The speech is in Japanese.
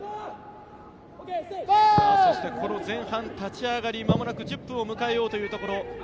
前半立ち上がり、間もなく１０分を迎えようというところ。